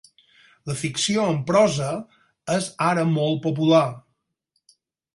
La ficció en prosa és ara molt popular.